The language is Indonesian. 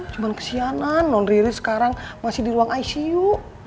cuman kesianan non riri sekarang masih di ruang icu